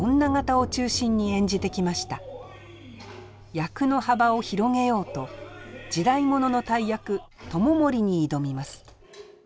役の幅を広げようと時代物の大役知盛に挑みます。